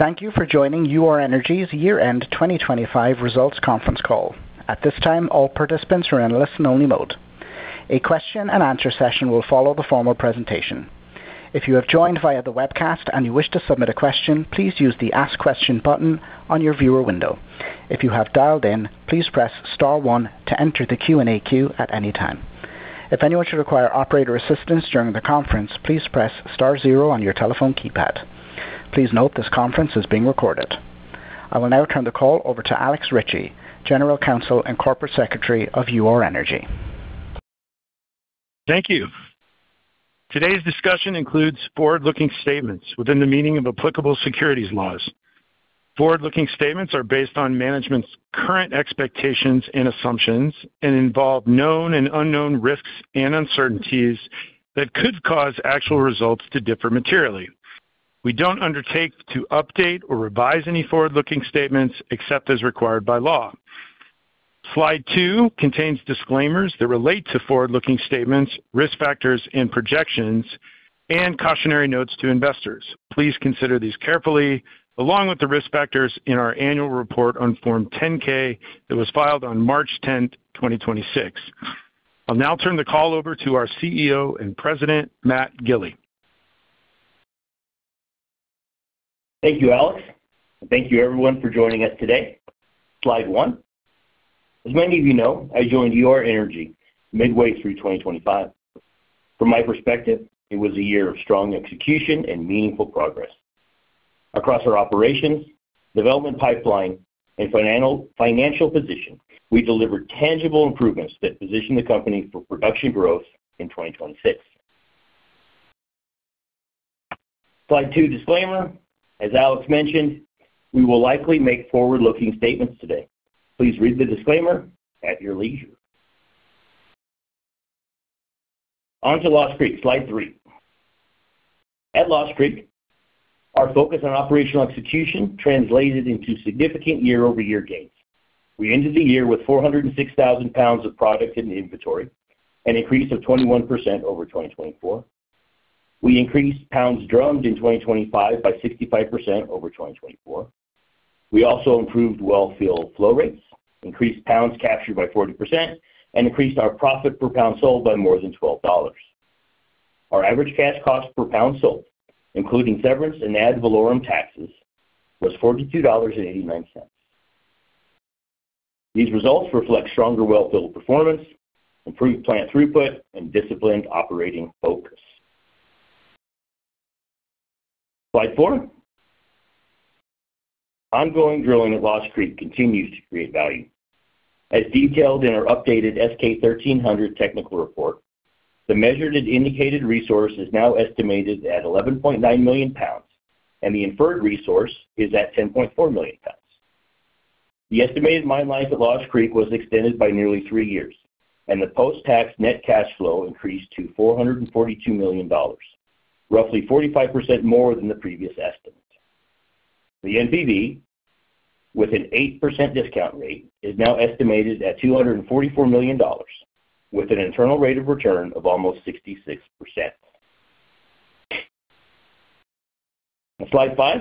Thank you for joining Ur-Energy's year-end 2025 results conference call. At this time, all participants are in a listen only mode. A question-and-answer session will follow the formal presentation. If you have joined via the webcast and you wish to submit a question, please use the ask question button on your viewer window. If you have dialed in, please press star one to enter the Q&A queue at any time. If anyone should require operator assistance during the conference, please press star zero on your telephone keypad. Please note this conference is being recorded. I will now turn the call over to Alex Ritchie, General Counsel and Corporate Secretary of Ur-Energy. Thank you. Today's discussion includes forward-looking statements within the meaning of applicable securities laws. Forward-looking statements are based on management's current expectations and assumptions and involve known and unknown risks and uncertainties that could cause actual results to differ materially. We don't undertake to update or revise any forward-looking statements except as required by law. Slide 2 contains disclaimers that relate to forward-looking statements, risk factors and projections, and cautionary notes to investors. Please consider these carefully along with the risk factors in our annual report on Form 10-K that was filed on March 10th, 2026. I'll now turn the call over to our CEO and President, Matt Gili. Thank you, Alex. Thank you everyone for joining us today. Slide 1. As many of you know, I joined Ur-Energy midway through 2025. From my perspective, it was a year of strong execution and meaningful progress. Across our operations, development pipeline and financial position, we delivered tangible improvements that position the company for production growth in 2026. Slide 2, disclaimer. As Alex mentioned, we will likely make forward-looking statements today. Please read the disclaimer at your leisure. On to Lost Creek. Slide 3. At Lost Creek, our focus on operational execution translated into significant year-over-year gains. We ended the year with 406,000 lbs of product in inventory, an increase of 21% over 2024. We increased pounds drummed in 2025 by 65% over 2024. We also improved well field flow rates, increased pounds captured by 40% and increased our profit per pound sold by more than $12. Our average cash cost per pound sold, including severance and ad valorem taxes, was $42.89. These results reflect stronger well field performance, improved plant throughput and disciplined operating focus. Slide 4. Ongoing drilling at Lost Creek continues to create value. As detailed in our updated S-K 1300 Technical Report, the measured and indicated resource is now estimated at 11.9 million pounds, and the inferred resource is at 10.4 million lbs. The estimated mine life at Lost Creek was extended by nearly three years and the post-tax net cash flow increased to $442 million, roughly 45% more than the previous estimate. The NPV with an 8% discount rate is now estimated at $244 million with an internal rate of return of almost 66%. Slide 5.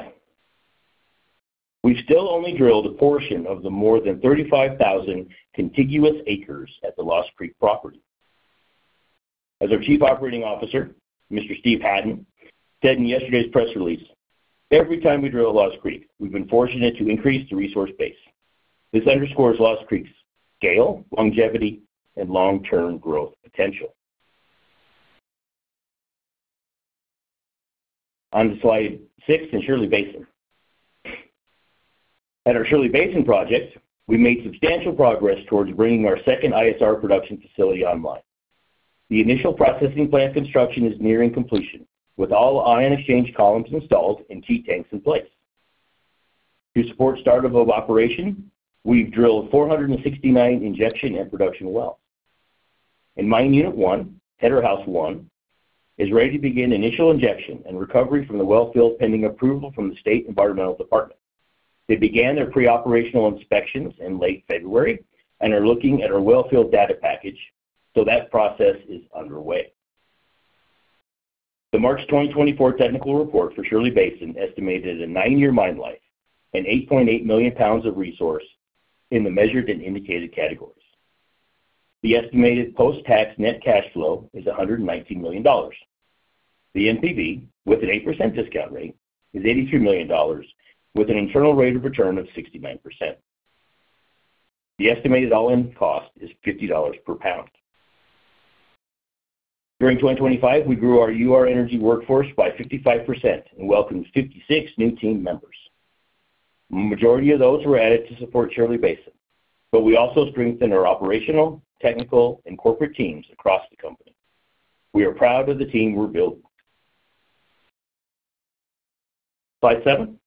We still only drilled a portion of the more than 35,000 contiguous acres at the Lost Creek Property. As our Chief Operating Officer, Mr. Steve Hatten, said in yesterday's press release, "Every time we drill at Lost Creek, we've been fortunate to increase the resource base." This underscores Lost Creek's scale, longevity, and long-term growth potential. On to Slide 6 and Shirley Basin. At our Shirley Basin Project, we made substantial progress towards bringing our second ISR production facility online. The initial processing plant construction is nearing completion, with all ion exchange columns installed and key tanks in place. To support start of operation, we've drilled 469 injection and production wells. In Mine Unit 1, Header House 1 is ready to begin initial injection and recovery from the well field, pending approval from the state environmental department. They began their pre-operational inspections in late February and are looking at our well field data package, so that process is underway. The March 2024 technical report for Shirley Basin estimated a nine-year mine life and 8.8 million lbs of resource in the measured and indicated categories. The estimated post-tax net cash flow is $119 million. The NPV with an 8% discount rate is $82 million, with an internal rate of return of 69%. The estimated all-in cost is $50 per pound. During 2025, we grew our Ur-Energy workforce by 55% and welcomed 56 new team members. Majority of those were added to support Shirley Basin, but we also strengthened our operational, technical, and corporate teams across the company. We are proud of the team we're building. Slide 7.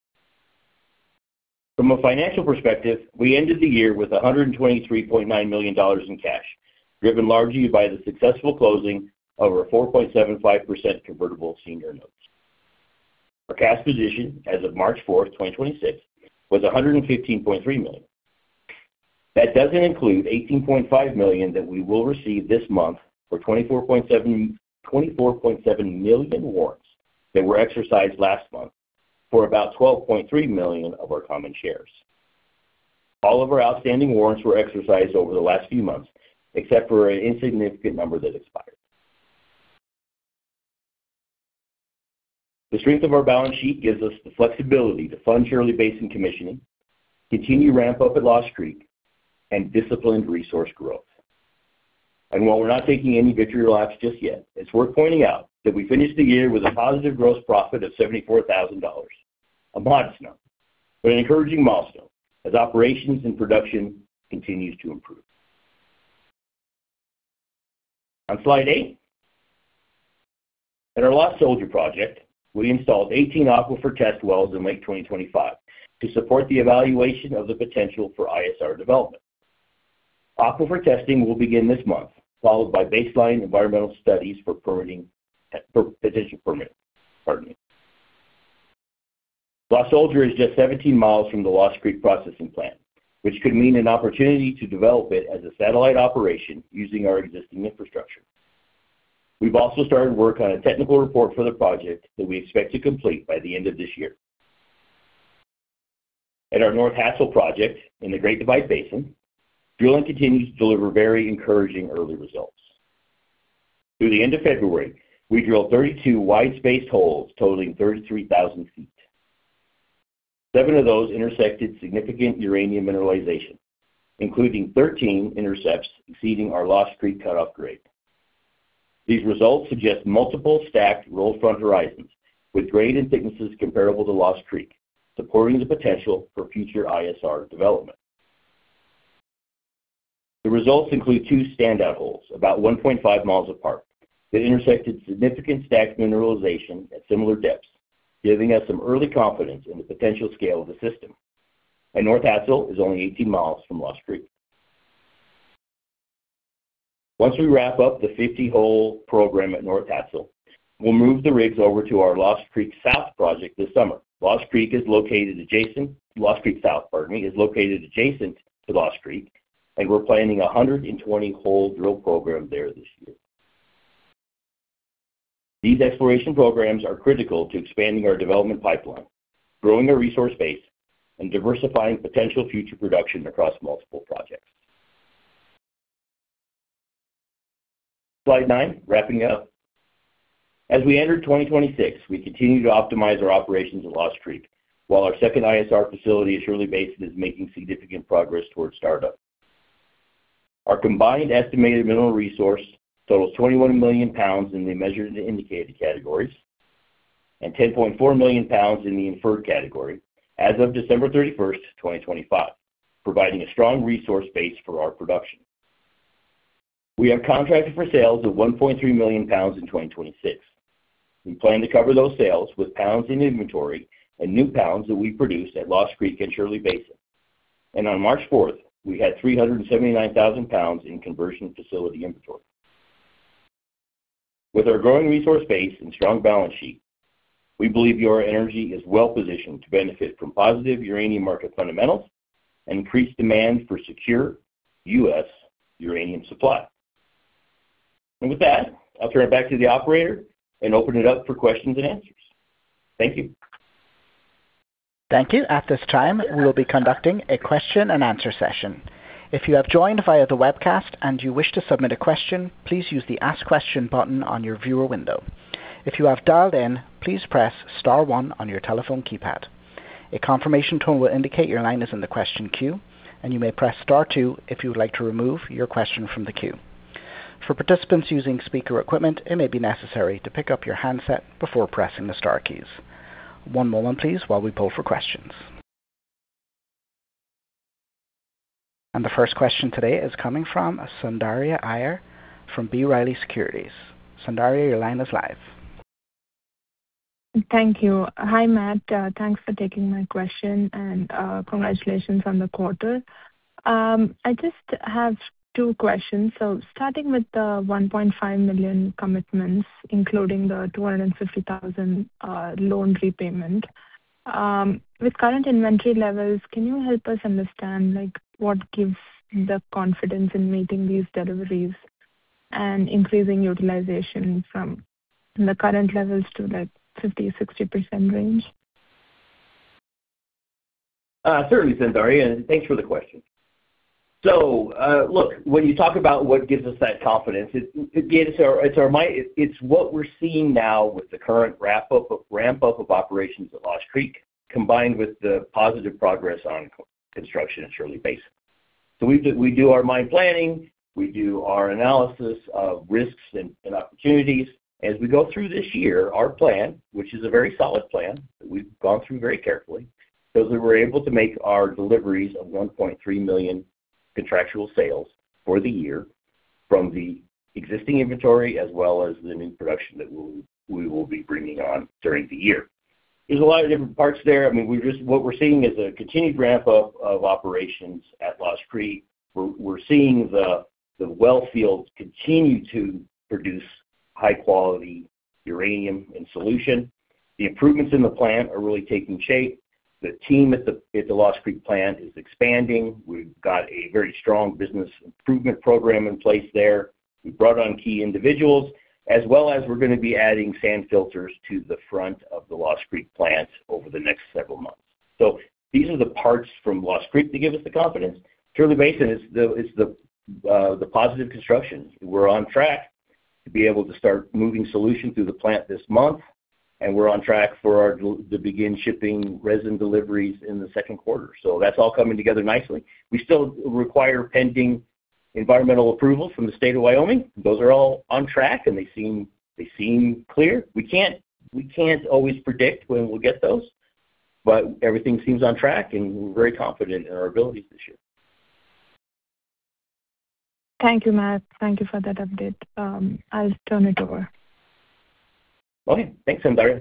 From a financial perspective, we ended the year with $123.9 million in cash, driven largely by the successful closing of our 4.75% convertible senior notes. Our cash position as of March 4, 2026 was $115.3 million. That doesn't include $18.5 million that we will receive this month for 24.7 million warrants that were exercised last month for about $12.3 million of our common shares. All of our outstanding warrants were exercised over the last few months, except for an insignificant number that expired. The strength of our balance sheet gives us the flexibility to fund Shirley Basin commissioning, continue ramp up at Lost Creek, and disciplined resource growth. While we're not taking any victory laps just yet, it's worth pointing out that we finished the year with a positive gross profit of $74,000. A modest number, but an encouraging milestone as operations and production continues to improve. On Slide 8. At our Lost Soldier project, we installed 18 aquifer test wells in late 2025 to support the evaluation of the potential for ISR development. Aquifer testing will begin this month, followed by baseline environmental studies for permitting. Lost Soldier is just 17 mi from the Lost Creek processing plant, which could mean an opportunity to develop it as a satellite operation using our existing infrastructure. We've also started work on a technical report for the project that we expect to complete by the end of this year. At our North Hadsell Project in the Great Divide Basin, drilling continues to deliver very encouraging early results. Through the end of February, we drilled 32 wide-spaced holes totaling 33,000 ft. Seven of those intersected significant uranium mineralization, including 13 intercepts exceeding our Lost Creek cut off grade. These results suggest multiple stacked roll front horizons with grade and thicknesses comparable to Lost Creek, supporting the potential for future ISR development. The results include two standout holes about 1.5 mi apart that intersected significant stacked mineralization at similar depths, giving us some early confidence in the potential scale of the system. North Hadsell is only 18 mi from Lost Creek. Once we wrap up the 50-hole program at North Hadsell, we'll move the rigs over to our Lost Creek South Project this summer. Lost Creek South, pardon me, is located adjacent to Lost Creek, and we're planning a 120-hole drill program there this year. These exploration programs are critical to expanding our development pipeline, growing our resource base, and diversifying potential future production across multiple projects. Slide 9, wrapping up. As we enter 2026, we continue to optimize our operations at Lost Creek while our second ISR facility at Shirley Basin is making significant progress towards startup. Our combined estimated mineral resource totals 21 million lbs in the measured indicated categories and 10.4 million lbs in the inferred category as of December 31st, 2025, providing a strong resource base for our production. We have contracted for sales of 1.3 million lbs in 2026. We plan to cover those sales with pounds in inventory and new pounds that we produce at Lost Creek and Shirley Basin. On March 4th, we had 379,000 lbs in conversion facility inventory. With our growing resource base and strong balance sheet, we believe Ur-Energy is well-positioned to benefit from positive uranium market fundamentals and increased demand for secure U.S. uranium supply. With that, I'll turn it back to the operator and open it up for questions and answers. Thank you. Thank you. At this time, we will be conducting a question-and-answer session. If you have joined via the webcast and you wish to submit a question, please use the ask question button on your viewer window. If you have dialed in, please press star one on your telephone keypad. A confirmation tone will indicate your line is in the question queue, and you may press star two if you would like to remove your question from the queue. For participants using speaker equipment, it may be necessary to pick up your handset before pressing the star keys. One moment please while we poll for questions. The first question today is coming from Soundarya Iyer from B. Riley Securities. Soundarya, your line is live. Thank you. Hi, Matt. Thanks for taking my question and, congratulations on the quarter. I just have two questions. Starting with the $1.5 million commitments, including the $250,000 loan repayment. With current inventory levels, can you help us understand like what gives the confidence in meeting these deliveries and increasing utilization from the current levels to that 50%-60% range? Certainly Soundarya, and thanks for the question. Look, when you talk about what gives us that confidence, it again, it's what we're seeing now with the current ramp up of operations at Lost Creek, combined with the positive progress on construction at Shirley Basin. We do our mine planning, we do our analysis of risks and opportunities. As we go through this year, our plan, which is a very solid plan that we've gone through very carefully, shows that we're able to make our deliveries of 1.3 million contractual sales for the year from the existing inventory as well as the new production that we will be bringing on during the year. There's a lot of different parts there. I mean, what we're seeing is a continued ramp up of operations at Lost Creek. We're seeing the well fields continue to produce high quality uranium and solution. The improvements in the plant are really taking shape. The team at the Lost Creek Plant is expanding. We've got a very strong business improvement program in place there. We brought on key individuals as well as we're gonna be adding sand filters to the front of the Lost Creek Plant over the next several months. These are the parts from Lost Creek to give us the confidence. Shirley Basin is the positive construction. We're on track to be able to start moving solution through the plant this month, and we're on track to begin shipping resin deliveries in the second quarter. That's all coming together nicely. We still require pending environmental approval from the state of Wyoming. Those are all on track, and they seem clear. We can't always predict when we'll get those, but everything seems on track, and we're very confident in our ability to ship. Thank you, Matt. Thank you for that update. I'll turn it over. Okay. Thanks, Soundarya.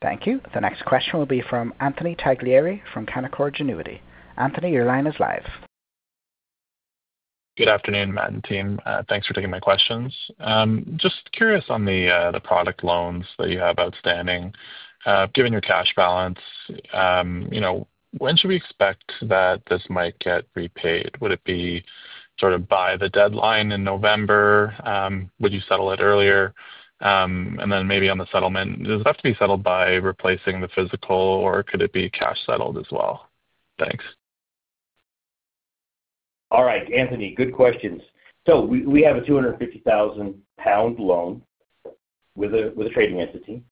Thank you. The next question will be from Anthony Taglieri from Canaccord Genuity. Anthony, your line is live. Good afternoon, Matt and team. Thanks for taking my questions. Just curious on the product loans that you have outstanding. Given your cash balance, you know, when should we expect that this might get repaid? Would it be sort of by the deadline in November? Would you settle it earlier? And then maybe on the settlement, does it have to be settled by replacing the physical, or could it be cash settled as well? Thanks. All right, Anthony. Good questions. We have a 250,000-lb loan with a trading entity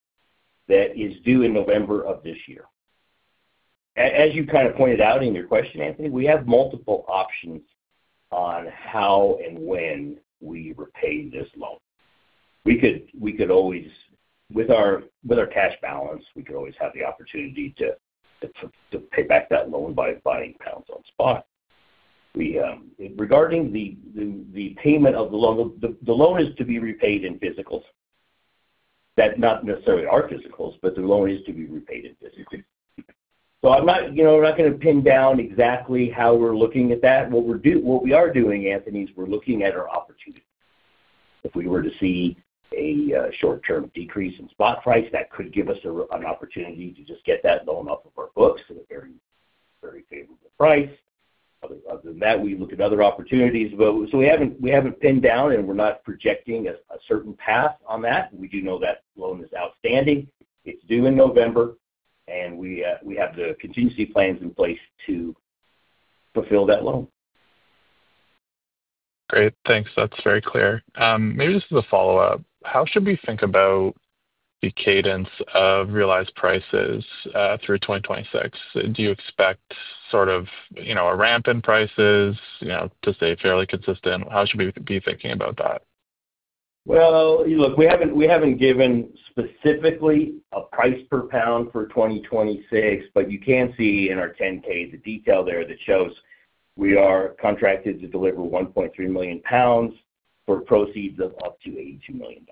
that is due in November of this year. As you kind of pointed out in your question, Anthony, we have multiple options on how and when we repay this loan. We could always with our cash balance have the opportunity to pay back that loan by buying pounds on spot. Regarding the payment of the loan, the loan is to be repaid in physicals. That's not necessarily our physicals, but the loan is to be repaid in physicals. I'm not, you know, we're not gonna pin down exactly how we're looking at that. What we are doing, Anthony, is we're looking at our opportunities. If we were to see a short-term decrease in spot price, that could give us an opportunity to just get that loan off of our books at a very, very favorable price. Other than that, we look at other opportunities. We haven't pinned down, and we're not projecting a certain path on that. We do know that loan is outstanding. It's due in November, and we have the contingency plans in place to fulfill that loan. Great. Thanks. That's very clear. Maybe just as a follow-up, how should we think about the cadence of realized prices through 2026? Do you expect sort of, you know, a ramp in prices, you know, to stay fairly consistent? How should we be thinking about that? Well, look, we haven't given specifically a price per pound for 2026, but you can see in our 10-K the detail there that shows we are contracted to deliver 1.3 million lbs for proceeds of up to $82 million.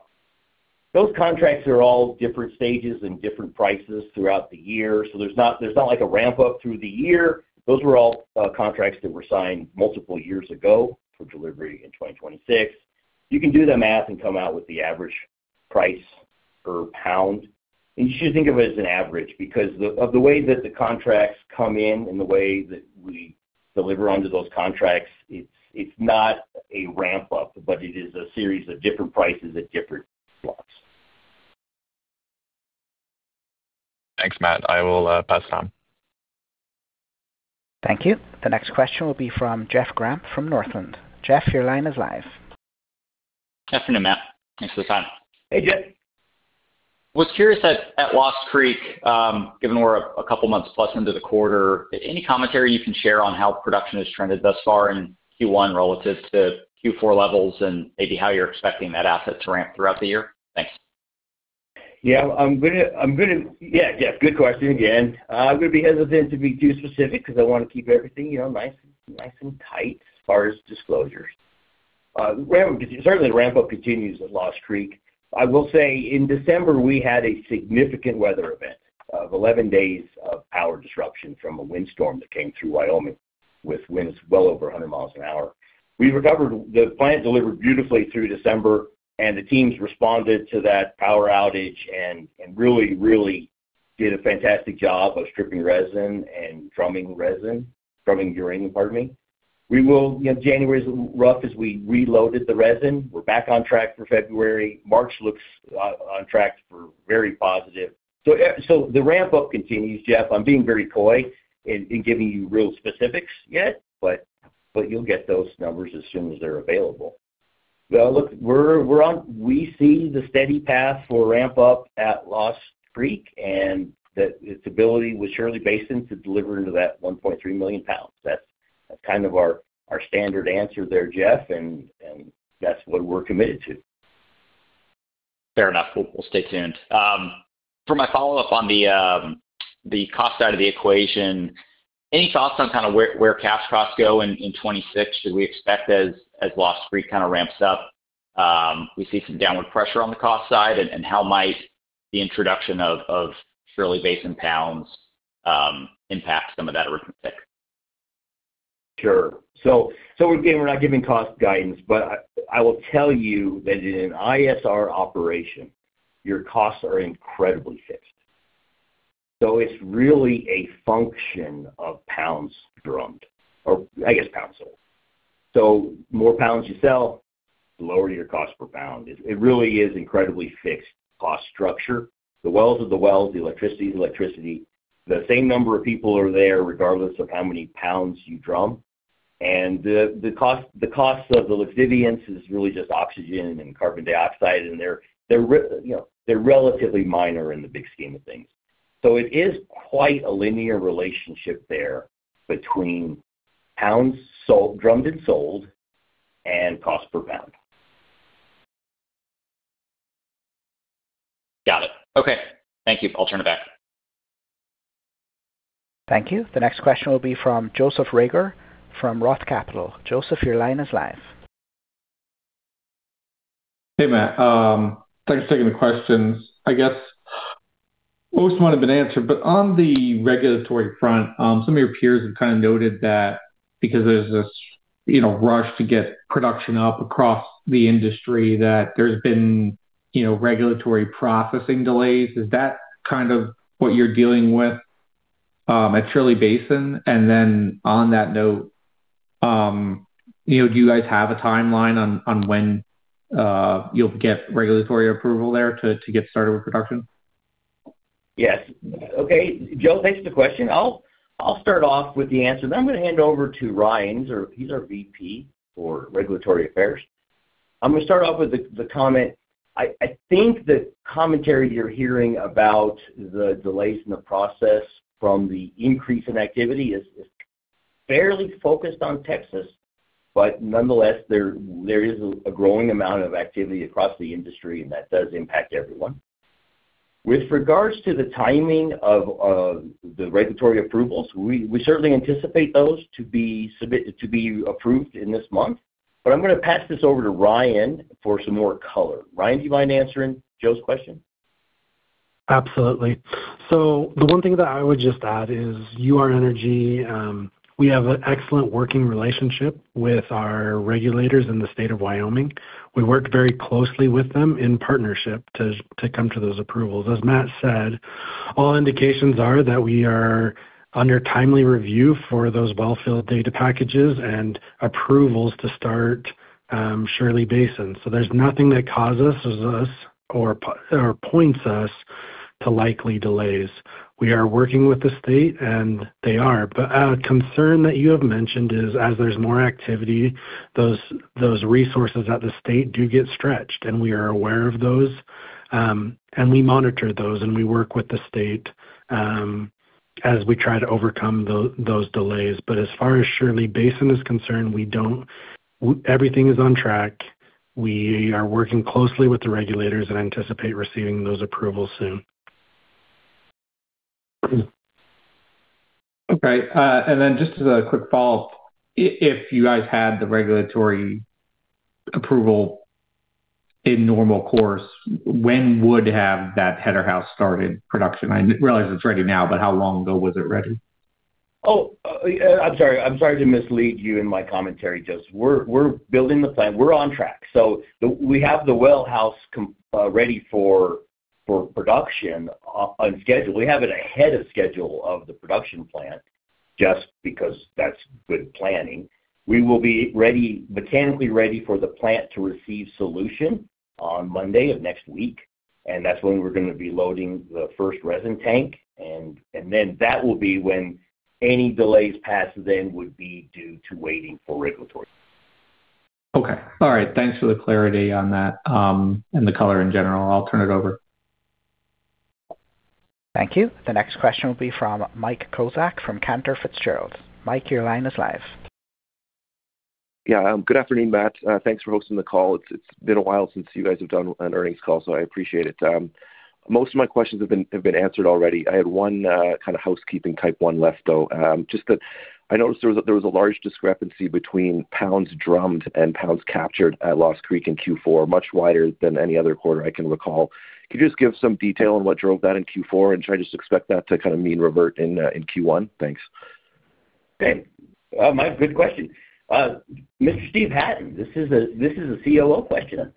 Those contracts are all different stages and different prices throughout the year. There's not like a ramp-up through the year. Those were all contracts that were signed multiple years ago for delivery in 2026. You can do the math and come out with the average price per pound, and you should think of it as an average because of the way that the contracts come in and the way that we deliver onto those contracts, it's not a ramp-up, but it is a series of different prices at different blocks. Thanks, Matt. I will pass it on. Thank you. The next question will be from Jeff Grampp from Northland. Jeff, your line is live. Afternoon, Matt. Thanks for the time. Hey, Jeff. Was curious at Lost Creek, given we're a couple months plus into the quarter, any commentary you can share on how production has trended thus far in Q1 relative to Q4 levels and maybe how you're expecting that asset to ramp throughout the year? Thanks. Good question again. I'm gonna be hesitant to be too specific because I wanna keep everything, you know, nice and tight as far as disclosures. Certainly the ramp-up continues at Lost Creek. I will say in December, we had a significant weather event of 11 days of power disruption from a windstorm that came through Wyoming with winds well over 100 mi an hour. We recovered. The plant delivered beautifully through December, and the teams responded to that power outage and really did a fantastic job of stripping resin and drumming resin. Drumming uranium, pardon me. You know, January is rough as we reloaded the resin. We're back on track for February. March looks on track for very positive. The ramp-up continues, Jeff. I'm being very coy in giving you real specifics yet, but you'll get those numbers as soon as they're available. Well, look, we see the steady path for ramp up at Lost Creek and its ability with Shirley Basin to deliver into that 1.3 million lbs. That's kind of our standard answer there, Jeff, and that's what we're committed to. Fair enough. We'll stay tuned. For my follow-up on the cost side of the equation, any thoughts on kind of where cash costs go in 2026? Should we expect as Lost Creek kind of ramps up, we see some downward pressure on the cost side? How might the introduction of Shirley Basin pounds impact some of that arithmetic? Sure. Again, we're not giving cost guidance, but I will tell you that in an ISR operation, your costs are incredibly fixed. It's really a function of pounds drummed or I guess pounds sold. More pounds you sell, the lower your cost per pound. It really is incredibly fixed cost structure. The wells are the wells, the electricity is electricity. The same number of people are there regardless of how many pounds you drum. The cost of the liquids is really just oxygen and carbon dioxide, and they're relatively minor in the big scheme of things. It is quite a linear relationship there between pounds sold, drummed and sold and cost per pound. Got it. Okay. Thank you. I'll turn it back. Thank you. The next question will be from Joseph Reagor from Roth Capital. Joseph, your line is live. Hey, Matt. Thanks for taking the questions. I guess most wanted an answer, but on the regulatory front, some of your peers have kinda noted that because there's this, you know, rush to get production up across the industry that there's been, you know, regulatory processing delays. Is that kind of what you're dealing with at Shirley Basin? And then on that note, you know, do you guys have a timeline on when you'll get regulatory approval there to get started with production? Yes. Okay. Joe, thanks for the question. I'll start off with the answer, then I'm gonna hand over to Ryan. He's our VP for Regulatory Affairs. I'm gonna start off with the comment. I think the commentary you're hearing about the delays in the process from the increase in activity is fairly focused on Texas. Nonetheless, there is a growing amount of activity across the industry, and that does impact everyone. With regards to the timing of the regulatory approvals, we certainly anticipate those to be approved in this month. I'm gonna pass this over to Ryan for some more color. Ryan, do you mind answering Joe's question? Absolutely. The one thing that I would just add is Ur-Energy, we have an excellent working relationship with our regulators in the state of Wyoming. We work very closely with them in partnership to come to those approvals. As Matt said, all indications are that we are under timely review for those well field data packages and approvals to start, Shirley Basin. There's nothing that causes us or points us to likely delays. We are working with the state, and they are. A concern that you have mentioned is as there's more activity, those resources at the state do get stretched, and we are aware of those, and we monitor those, and we work with the state, as we try to overcome those delays. As far as Shirley Basin is concerned, we don't. Everything is on track. We are working closely with the regulators and anticipate receiving those approvals soon. Okay. Just as a quick follow-up, if you guys had the regulatory approval in normal course, when would have that header house started production? I realize it's ready now, but how long ago was it ready? I'm sorry. I'm sorry to mislead you in my commentary, Joe. We're building the plant. We're on track. We have the well house ready for production on schedule. We have it ahead of schedule of the production plant just because that's good planning. We will be mechanically ready for the plant to receive solution on Monday of next week, and that's when we're gonna be loading the first resin tank. That will be when any delays past then would be due to waiting for regulatory. Okay. All right. Thanks for the clarity on that, and the color in general. I'll turn it over. Thank you. The next question will be from Mike Kozak from Cantor Fitzgerald. Mike, your line is live. Yeah. Good afternoon, Matt. Thanks for hosting the call. It's been a while since you guys have done an earnings call, so I appreciate it. Most of my questions have been answered already. I had one kind of housekeeping type one left, though. Just that I noticed there was a large discrepancy between pounds drummed and pounds captured at Lost Creek in Q4, much wider than any other quarter I can recall. Could you just give some detail on what drove that in Q4? And should I just expect that to kind of mean revert in Q1? Thanks. Okay. Mike, good question. Mr. Steve Hatten, this is a COO question.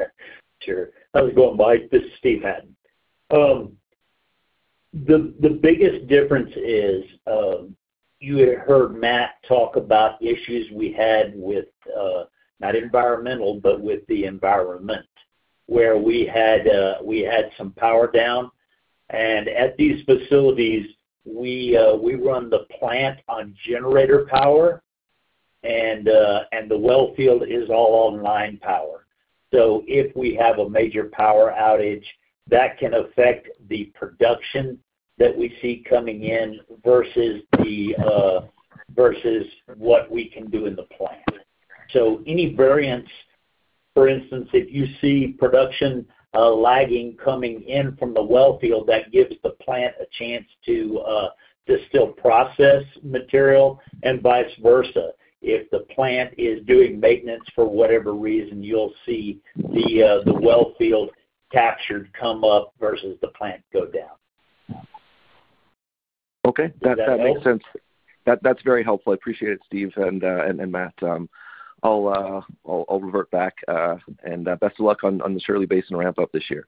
Sure. How's it going, Mike? This is Steve Hatten. The biggest difference is, you heard Matt talk about issues we had with, not environmental, but with the environment, where we had some power down. At these facilities, we run the plant on generator power and the well field is all online power. If we have a major power outage, that can affect the production that we see coming in versus what we can do in the plant. Any variance, for instance, if you see production lagging coming in from the well field, that gives the plant a chance to distill process material and vice versa. If the plant is doing maintenance for whatever reason, you'll see the well field captured come up versus the plant go down. Okay. That makes sense. That's very helpful. I appreciate it, Steve and Matt. I'll revert back and best of luck on the Shirley Basin ramp up this year.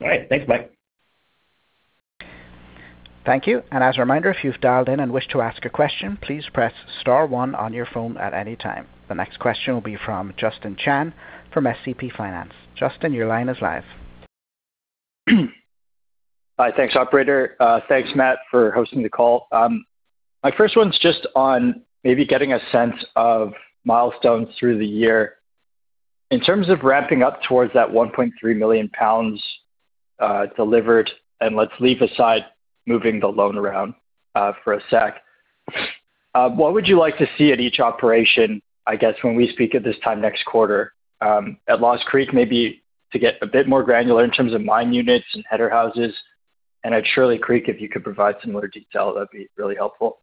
All right. Thanks, Mike. Thank you. As a reminder, if you've dialed in and wish to ask a question, please press star one on your phone at any time. The next question will be from Justin Chan from SCP Finance. Justin, your line is live. Hi. Thanks, operator. Thanks, Matt, for hosting the call. My first one's just on maybe getting a sense of milestones through the year. In terms of ramping up towards that 1.3 million lbs delivered, and let's leave aside moving the loan around, for a sec. What would you like to see at each operation, I guess, when we speak at this time next quarter, at Lost Creek, maybe to get a bit more granular in terms of mine units and header houses? At Shirley Basin, if you could provide some more detail, that'd be really helpful?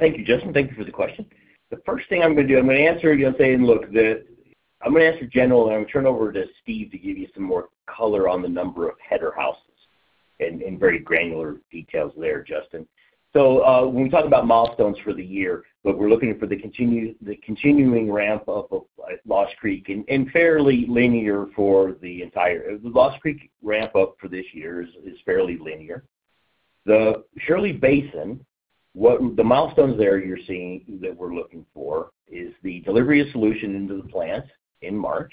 Thank you, Justin. Thank you for the question. The first thing I'm gonna do, I'm gonna answer, you know, saying, look, I'm gonna answer general, and I'm gonna turn it over to Steve to give you some more color on the number of header houses and very granular details there, Justin. When we talk about milestones for the year, what we're looking for the continuing ramp up of Lost Creek and fairly linear for the entire. The Lost Creek ramp up for this year is fairly linear. The Shirley Basin, the milestones there you're seeing that we're looking for is the delivery of solution into the plant in March,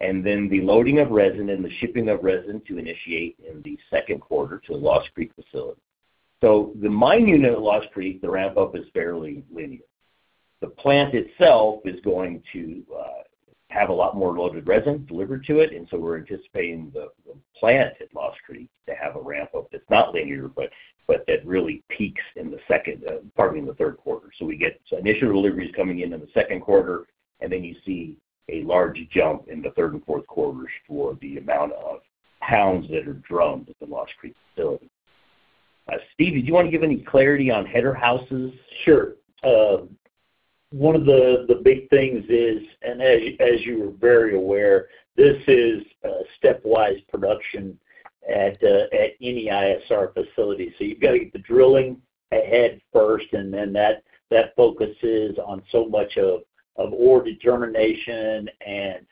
and then the loading of resin and the shipping of resin to initiate in the second quarter to the Lost Creek facility. The mine unit at Lost Creek, the ramp up is fairly linear. The plant itself is going to have a lot more loaded resin delivered to it, and so we're anticipating the plant at Lost Creek to have a ramp up that's not linear, but that really peaks in the third quarter. We get initial deliveries coming into the second quarter, and then you see a large jump in the third and fourth quarters for the amount of pounds that are drummed at the Lost Creek facility. Steve, did you wanna give any clarity on header houses? Sure. One of the big things is, and as you are very aware, this is a stepwise production at any ISR facility. You've got to get the drilling ahead first, and then that focuses on so much of ore determination and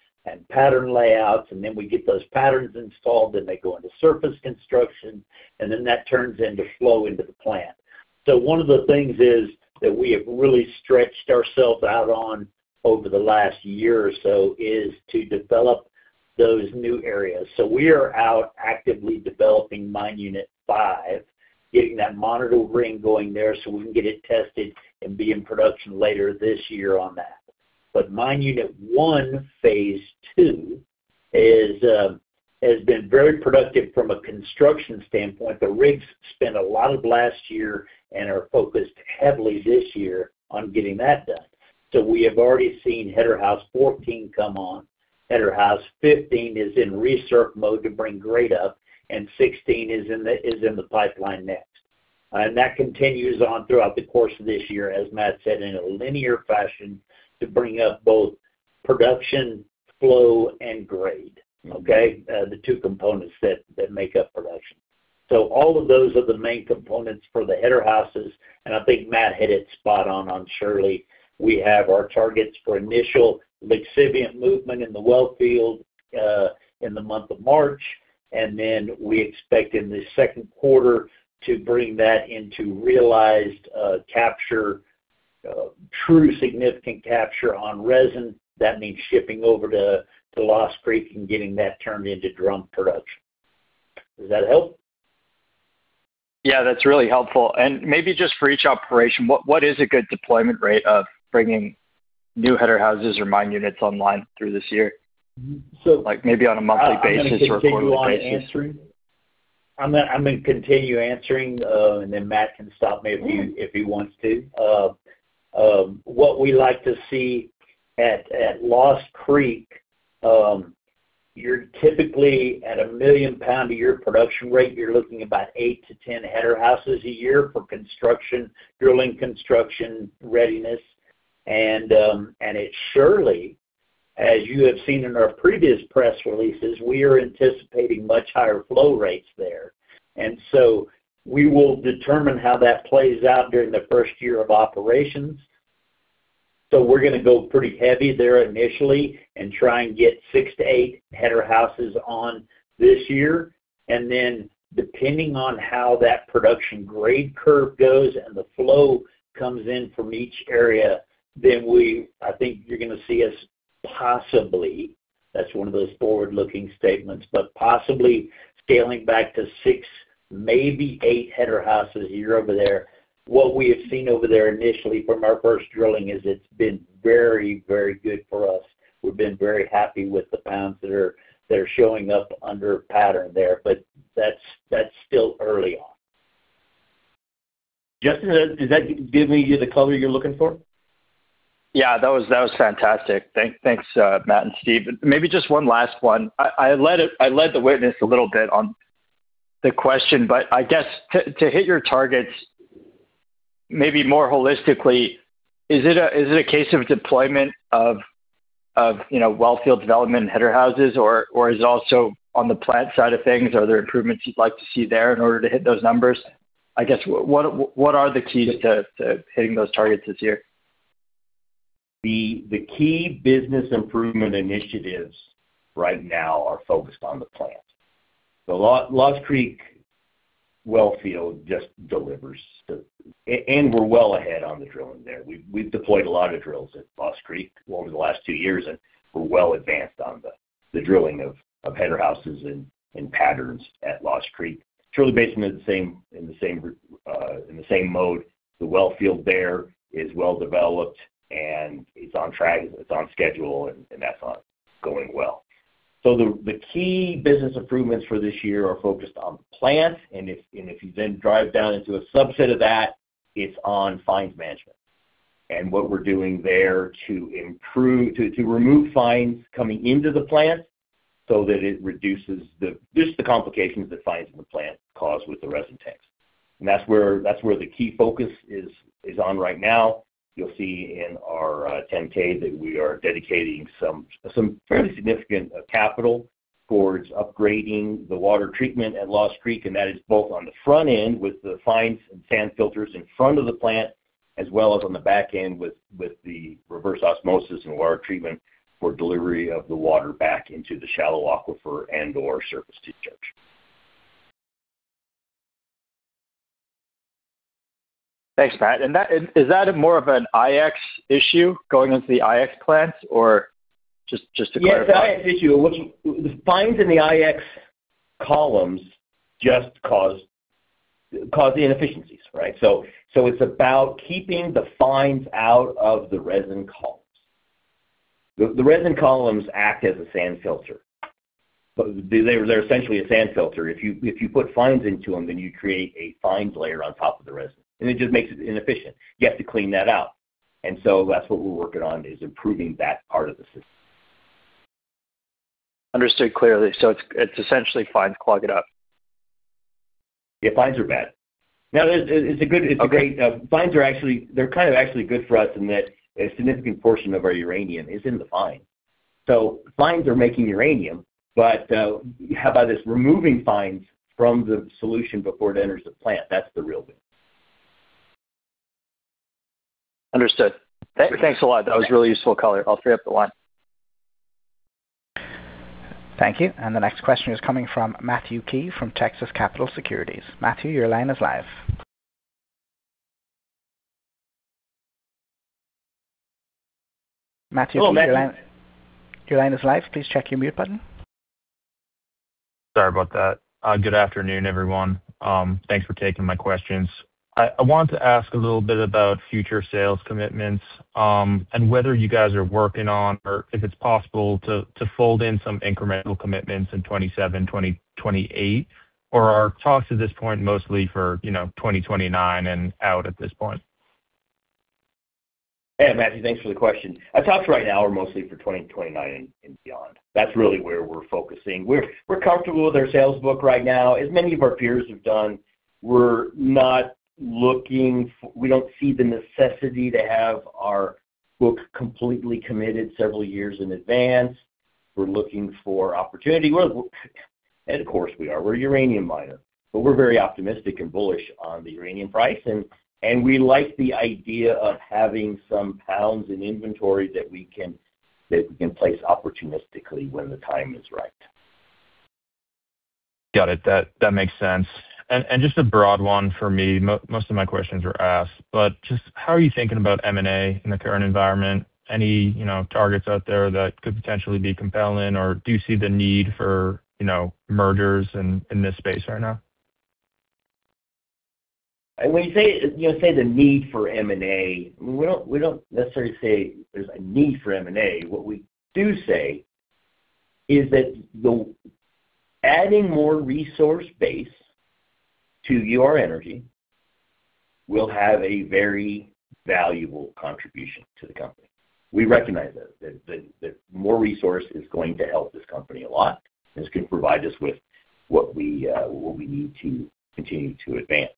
pattern layouts. Then we get those patterns installed, and they go into surface construction, and then that turns into flow into the plant. One of the things is that we have really stretched ourselves out on over the last year or so is to develop those new areas. We are out actively developing Mine Unit 5, getting that monitor ring going there so we can get it tested and be in production later this year on that. Mine Unit 1, Phase 2 has been very productive from a construction standpoint. The rigs spent a lot of last year and are focused heavily this year on getting that done. We have already seen Header House 14 come on. Header House 15 is in re-circ mode to bring grade up, and 16 is in the pipeline next. That continues on throughout the course of this year, as Matt said, in a linear fashion to bring up both production, flow and grade, okay? The two components that make up production. All of those are the main components for the header houses, and I think Matt hit it spot on Shirley. We have our targets for initial lixiviant movement in the well field, in the month of March. Then we expect in the second quarter to bring that into realized capture true significant capture on resin. That means shipping over to Lost Creek and getting that turned into drum production. Does that help? Yeah, that's really helpful. Maybe just for each operation, what is a good deployment rate of bringing new header houses or mine units online through this year? So- Like maybe on a monthly basis or quarterly basis? I'm gonna continue answering, and then Matt can stop me if he wants to. What we like to see at Lost Creek, you're typically at a 1 million lb a year production rate. You're looking at about eight-10 header houses a year for construction, drilling construction readiness. At Shirley, as you have seen in our previous press releases, we are anticipating much higher flow rates there. We will determine how that plays out during the first year of operations. We're gonna go pretty heavy there initially and try and get six-eight header houses on this year. Then depending on how that production grade curve goes and the flow comes in from each area, then we—I think you're gonna see us possibly. That's one of those forward-looking statements, but possibly scaling back to six, maybe eight header houses a year over there. What we have seen over there initially from our first drilling is that it's been very, very good for us. We've been very happy with the pounds that are showing up under pattern there, but that's still early on. Justin, does that give you the color you're looking for? Yeah. That was fantastic. Thanks, Matt and Steve. Maybe just one last one. I led the witness a little bit on the question, but I guess to hit your targets. Maybe more holistically, is it a case of deployment of, you know, wellfield development in header houses, or is it also on the plant side of things? Are there improvements you'd like to see there in order to hit those numbers? I guess, what are the keys to hitting those targets this year? The key business improvement initiatives right now are focused on the plant. The Lost Creek Wellfield just delivers, and we're well ahead on the drilling there. We've deployed a lot of drills at Lost Creek over the last two years, and we're well advanced on the drilling of header houses and patterns at Lost Creek. Truly, based in the same mode, the well field there is well developed and it's on track, it's on schedule, and that's going well. The key business improvements for this year are focused on plant. If you then drive down into a subset of that, it's on fines management. What we're doing there to remove fines coming into the plant so that it reduces the just the complications that fines in the plant cause with the resin tanks. That's where the key focus is on right now. You'll see in our 10-K that we are dedicating some fairly significant capital towards upgrading the water treatment at Lost Creek, and that is both on the front end with the fines and sand filters in front of the plant, as well as on the back end with the reverse osmosis and water treatment for delivery of the water back into the shallow aquifer and/or surface. Thanks, Matt. Is that more of an IX issue going into the IX plant? Or just to clarify. Yes, IX issue. The fines in the IX columns just cause inefficiencies, right? So it's about keeping the fines out of the resin columns. The resin columns act as a sand filter. They're essentially a sand filter. If you put fines into them, then you create a fines layer on top of the resin, and it just makes it inefficient. You have to clean that out. That's what we're working on, is improving that part of the system. Understood clearly. It's essentially fines clog it up. Yeah, fines are bad. No, it's a good- Okay. They're kind of actually good for us in that a significant portion of our uranium is in the fines. Fines are making uranium, but how about this? Removing fines from the solution before it enters the plant, that's the real win. Understood. Thanks a lot. That was a really useful color. I'll free up the line. Thank you. The next question is coming from Matthew Key from Texas Capital Securities. Matthew, your line is live. Matthew, your line- Hello, Matthew. Your line is live. Please check your mute button. Sorry about that. Good afternoon, everyone. Thanks for taking my questions. I want to ask a little bit about future sales commitments, and whether you guys are working on or if it's possible to fold in some incremental commitments in 2027, 2028, or are talks at this point mostly for, you know, 2029 and out at this point? Hey, Matt. Thanks for the question. Our talks right now are mostly for 2029 and beyond. That's really where we're focusing. We're comfortable with our sales book right now. As many of our peers have done, we don't see the necessity to have our book completely committed several years in advance. We're looking for opportunity. Of course we are. We're a uranium miner, but we're very optimistic and bullish on the uranium price and we like the idea of having some pounds in inventory that we can place opportunistically when the time is right. Got it. That makes sense. Just a broad one for me. Most of my questions were asked. Just how are you thinking about M&A in the current environment? Any, you know, targets out there that could potentially be compelling, or do you see the need for, you know, mergers in this space right now? When you say, you know, the need for M&A, we don't necessarily say there's a need for M&A. What we do say is that adding more resource base to Ur-Energy will have a very valuable contribution to the company. We recognize that more resource is going to help this company a lot. This could provide us with what we need to continue to advance.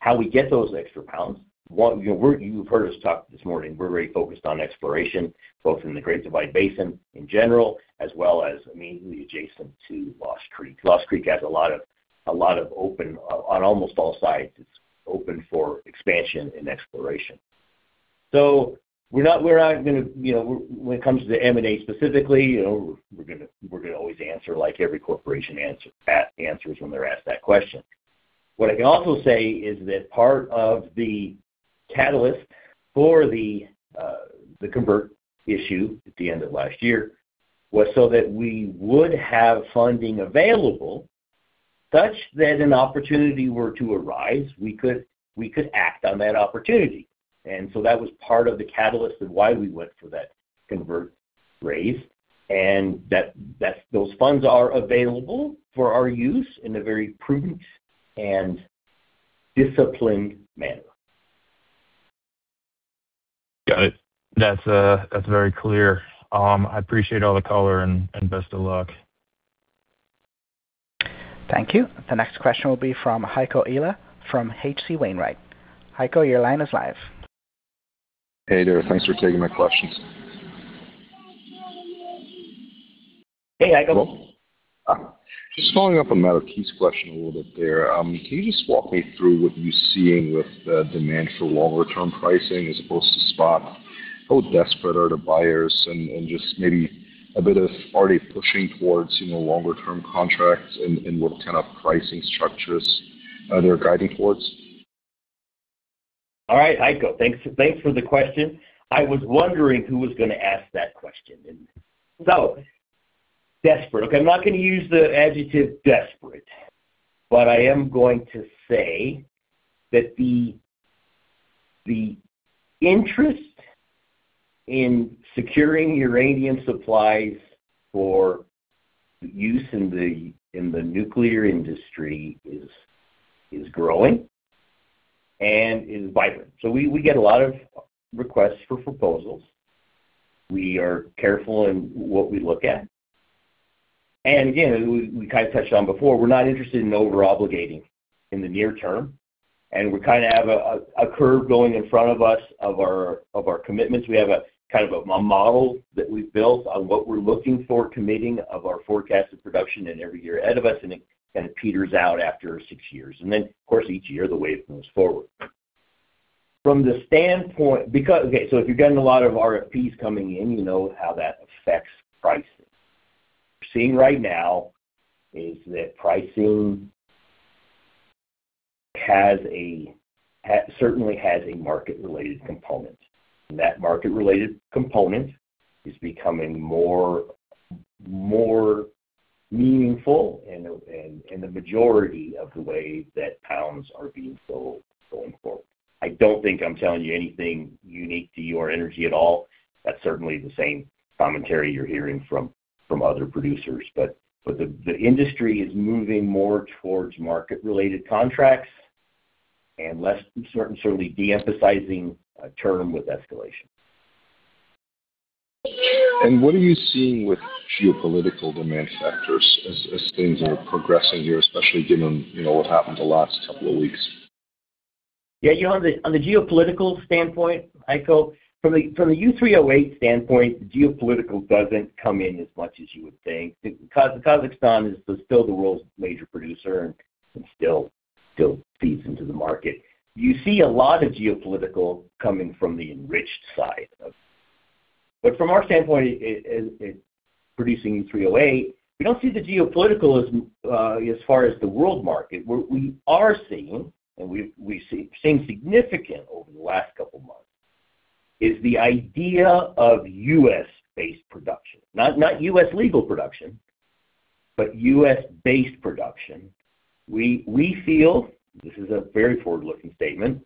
How we get those extra pounds, you know, you've heard us talk this morning, we're very focused on exploration, both in the Great Divide Basin in general, as well as immediately adjacent to Lost Creek. Lost Creek has a lot of open on almost all sides. It's open for expansion and exploration. We're not gonna, you know. When it comes to the M&A specifically, you know, we're gonna always answer like every corporation answers when they're asked that question. What I can also say is that part of the catalyst for the convert issue at the end of last year was so that we would have funding available such that an opportunity were to arise, we could act on that opportunity. That was part of the catalyst and why we went for that convert raise, and that's those funds are available for our use in a very prudent and disciplined manner. That's very clear. I appreciate all the color and best of luck. Thank you. The next question will be from Heiko Ihle from H.C. Wainwright. Heiko, your line is live. Hey there. Thanks for taking my questions. Hey, Heiko. Hello. Just following up on Matt Key's question a little bit there. Can you just walk me through what you're seeing with the demand for longer-term pricing as opposed to spot? How desperate are the buyers and just maybe a bit of are they pushing towards, you know, longer term contracts and what kind of pricing structures are they guiding towards? All right. Heiko, thanks. Thanks for the question. I was wondering who was gonna ask that question. Okay, I'm not gonna use the adjective desperate, but I am going to say that the interest in securing uranium supplies for use in the nuclear industry is growing and is vibrant. We get a lot of requests for proposals. We are careful in what we look at. We kind of touched on before, we're not interested in over-obligating in the near term, and we kind of have a curve going in front of us, of our commitments. We have a kind of a model that we've built on what we're looking for committing of our forecasted production and every year ahead of us, and it kind of peters out after six years. Of course, each year the wave moves forward. Okay, so if you're getting a lot of RFPs coming in, you know how that affects pricing. Seeing right now is that pricing certainly has a market-related component, and that market-related component is becoming more meaningful and the majority of the way that pounds are being sold going forward. I don't think I'm telling you anything unique to Ur-Energy at all. That's certainly the same commentary you're hearing from other producers. The industry is moving more towards market-related contracts and less and certainly de-emphasizing a term with escalation. What are you seeing with geopolitical demand factors as things are progressing here, especially given, you know, what happened the last couple of weeks? Yeah, you know, on the geopolitical standpoint, Heiko, from the U3O8 standpoint, geopolitical doesn't come in as much as you would think. Kazakhstan is still the world's major producer and still feeds into the market. You see a lot of geopolitical coming from the enriched side. But from our standpoint, as producing U3O8, we don't see the geopolitical as far as the world market. What we are seeing and we've seen significant over the last couple of months is the idea of U.S.-based production. Not U.S. legal production, but U.S.-based production. We feel this is a very forward-looking statement,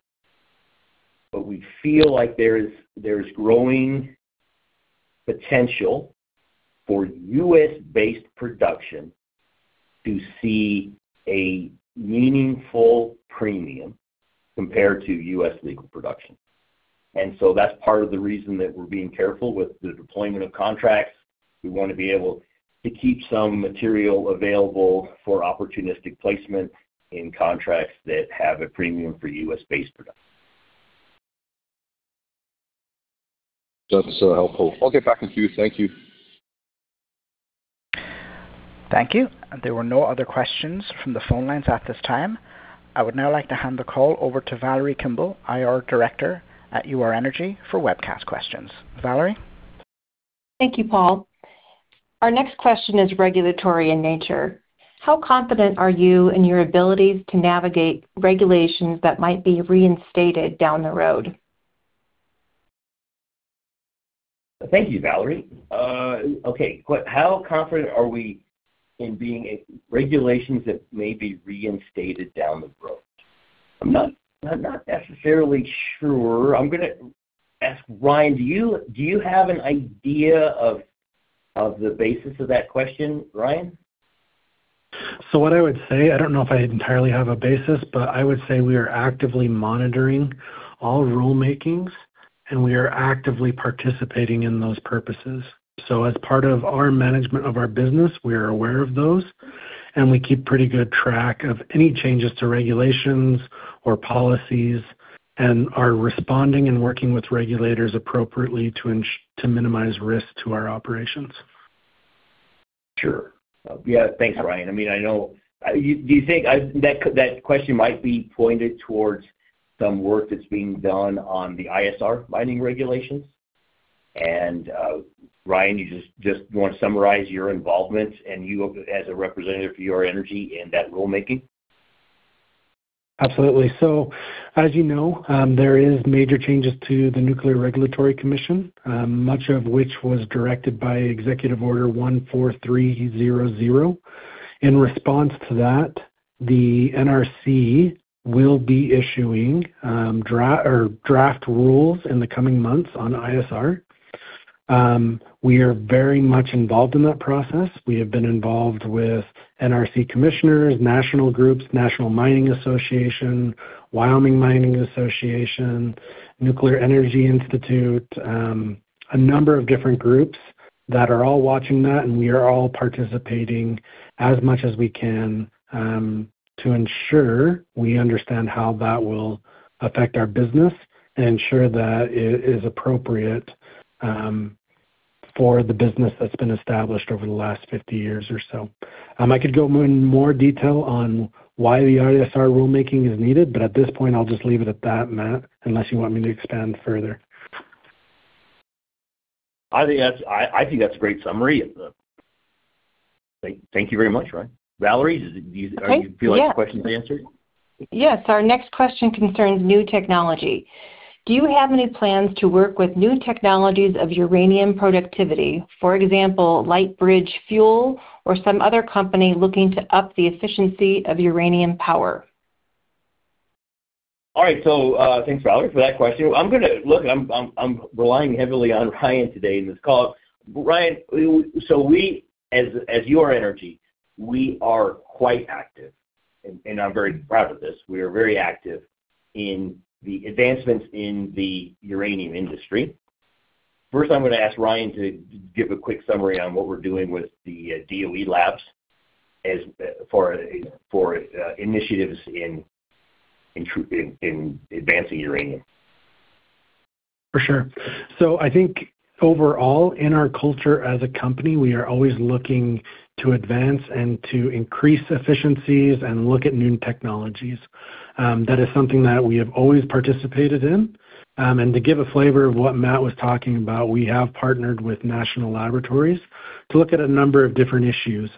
but we feel like there is growing potential for U.S.-based production to see a meaningful premium compared to U.S. legal production. That's part of the reason that we're being careful with the deployment of contracts. We want to be able to keep some material available for opportunistic placement in contracts that have a premium for U.S.-based production. That's so helpful. I'll get back with you. Thank you. Thank you. There were no other questions from the phone lines at this time. I would now like to hand the call over to Valerie Kimball, IR Director at Ur-Energy, for webcast questions. Valerie? Thank you, Paul. Our next question is regulatory in nature. How confident are you in your ability to navigate regulations that might be reinstated down the road? Thank you, Valerie. Okay. How confident are we in bending regulations that may be reinstated down the road? I'm not necessarily sure. I'm gonna ask Ryan, do you have an idea of the basis of that question, Ryan? What I would say, I don't know if I entirely have a basis, but I would say we are actively monitoring all rulemakings, and we are actively participating in those purposes. As part of our management of our business, we are aware of those, and we keep pretty good track of any changes to regulations or policies and are responding and working with regulators appropriately to minimize risk to our operations. Sure. Yeah. Thanks, Ryan. I mean, I know. Do you think that question might be pointed towards some work that's being done on the ISR mining regulations? Ryan, you just want to summarize your involvement and you as a representative for Ur-Energy in that rulemaking. Absolutely. As you know, there is major changes to the Nuclear Regulatory Commission, much of which was directed by Executive Order 14300. In response to that, the NRC will be issuing draft rules in the coming months on ISR. We are very much involved in that process. We have been involved with NRC commissioners, national groups, National Mining Association, Wyoming Mining Association, Nuclear Energy Institute, a number of different groups that are all watching that, and we are all participating as much as we can, to ensure we understand how that will affect our business and ensure that it is appropriate, for the business that's been established over the last 50 years or so. I could go in more detail on why the ISR rulemaking is needed, but at this point, I'll just leave it at that, Matt, unless you want me to expand further? I think that's a great summary. Thank you very much, Ryan. Valerie, do you- Okay. Yeah. Do you feel like the questions are answered? Yes. Our next question concerns new technology. Do you have any plans to work with new technologies of uranium productivity? For example, Lightbridge Fuel or some other company looking to up the efficiency of uranium power? All right. Thanks, Valerie, for that question. Look, I'm relying heavily on Ryan today in this call. Ryan, so we as Ur-Energy, we are quite active, and I'm very proud of this. We are very active in the advancements in the uranium industry. First, I'm gonna ask Ryan to give a quick summary on what we're doing with the DOE labs as for initiatives in advancing uranium. For sure. I think overall in our culture as a company, we are always looking to advance and to increase efficiencies and look at new technologies. That is something that we have always participated in. To give a flavor of what Matt was talking about, we have partnered with national laboratories to look at a number of different issues.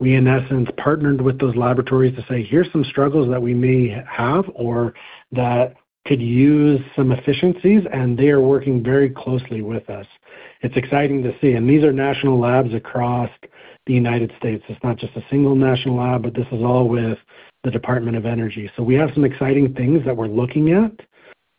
We in essence partnered with those laboratories to say, "Here's some struggles that we may have or that could use some efficiencies," and they are working very closely with us. It's exciting to see. These are national labs across the United States. It's not just a single national lab, but this is all with the Department of Energy. We have some exciting things that we're looking at.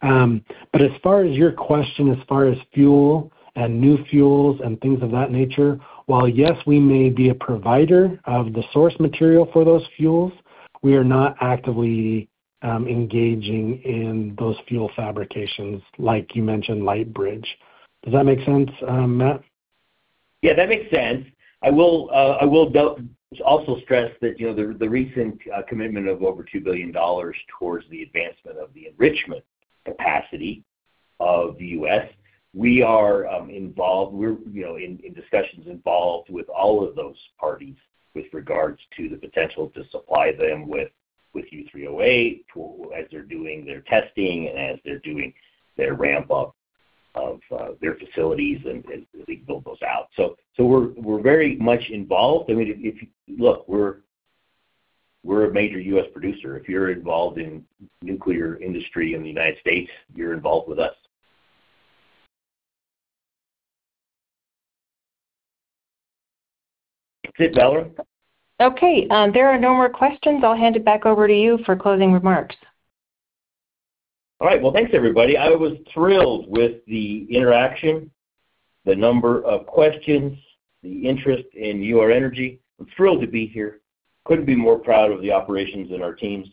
As far as your question, as far as fuel and new fuels and things of that nature, while, yes, we may be a provider of the source material for those fuels, we are not actively, engaging in those fuel fabrications like you mentioned, Lightbridge. Does that make sense, Matt? Yeah, that makes sense. I will also stress that, you know, the recent commitment of over $2 billion towards the advancement of the enrichment capacity of the U.S., we are involved. We're, you know, in discussions involved with all of those parties with regards to the potential to supply them with U3O8 to as they're doing their testing and as they're doing their ramp up of their facilities and as they build those out. So we're very much involved. I mean, if. Look, we're a major U.S. producer. If you're involved in nuclear industry in the United States, you're involved with us. That's it, Valerie. Okay. There are no more questions. I'll hand it back over to you for closing remarks. All right. Well, thanks everybody. I was thrilled with the interaction, the number of questions, the interest in Ur-Energy. I'm thrilled to be here. Couldn't be more proud of the operations and our teams.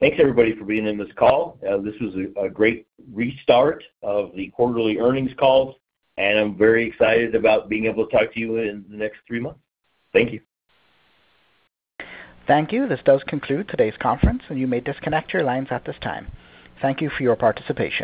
Thanks everybody for being in this call. This was a great restart of the quarterly earnings calls, and I'm very excited about being able to talk to you in the next three months. Thank you. Thank you. This does conclude today's conference, and you may disconnect your lines at this time. Thank you for your participation.